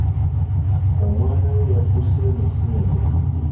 Omwana we yaduuse emisinde.